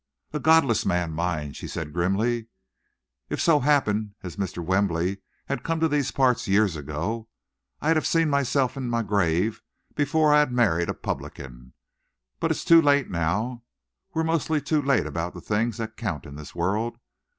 "A godless man, mine," she said grimly. "If so happen as Mr. Wembley had come to these parts years ago, I'd have seen myself in my grave before I'd have married a publican. But it's too late now. We're mostly too late about the things that count in this world.